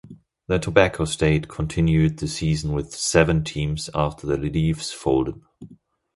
The Tobacco State continued the season with seven teams after the Leafs folded.